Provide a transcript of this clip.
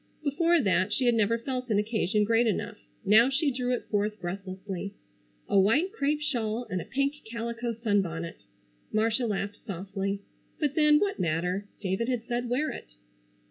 Before that she had never felt an occasion great enough. Now she drew it forth breathlessly. A white crêpe shawl and a pink calico sunbonnet! Marcia laughed softly. But then, what matter! David had said wear it.